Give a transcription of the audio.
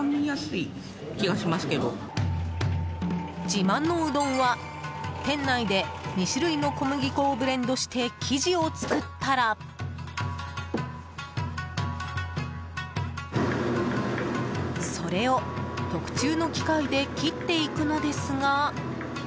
自慢のうどんは店内で２種類の小麦粉をブレンドして生地を作ったらそれを特注の機械で切っていくのですが。